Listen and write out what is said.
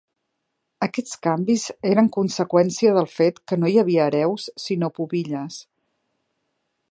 Aquests canvis eren conseqüència del fet que no hi havia hereus sinó pubilles.